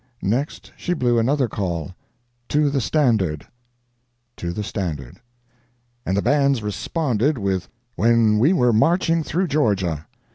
Next, she blew another call ("to the Standard") ... [Picture: To the Standard [music score]] ... and the bands responded with "When we were marching through Georgia."